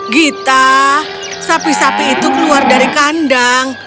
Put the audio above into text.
gita sapi sapi itu keluar dari kandang